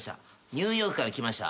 ニューヨークから来ました